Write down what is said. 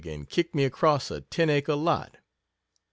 and kicked me across a ten acre lot.